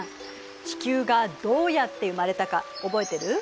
地球がどうやって生まれたか覚えてる？